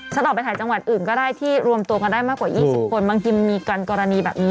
ต่อไปถ่ายจังหวัดอื่นก็ได้ที่รวมตัวกันได้มากกว่า๒๐คนบางทีมันมีกรณีแบบนี้